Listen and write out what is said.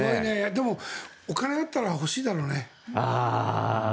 でも、お金があったら欲しいだろうね。